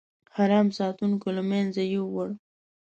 حرم ساتونکو له منځه یووړ.